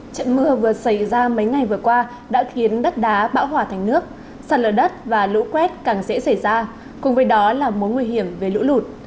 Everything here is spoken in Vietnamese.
trận mưa vừa xảy ra mấy ngày vừa qua đã khiến đất đá bão hòa thành nước sạt lở đất và lũ quét càng dễ xảy ra cùng với đó là mối nguy hiểm về lũ lụt